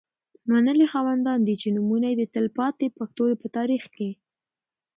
منلي خاوندان دي. چې نومونه یې د تلپا تي پښتو په تاریخ کي